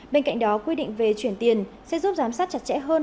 bên cạnh đó quy định về chuyển tiền sẽ giúp giám sát chặt chẽ hơn